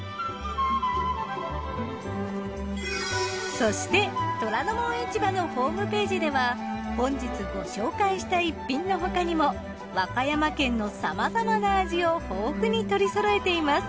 そして『虎ノ門市場』のホームページでは本日ご紹介した逸品の他にも和歌山県のさまざまな味を豊富に取りそろえています。